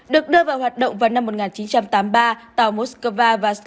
được đưa vào hoạt động vào năm một nghìn chín trăm tám mươi ba tàu moskva và slava được tài hóa